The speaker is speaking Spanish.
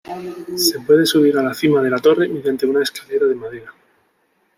Se puede subir a la cima de la torre mediante una escalera de madera.